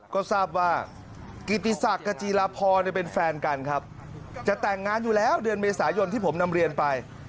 ก็ทราบว่ากิติศักดิ์กับจีรพรเป็นแฟนกันครับจะแต่งงานอยู่แล้วเดือนเมษายนที่ผมนำเรียนไป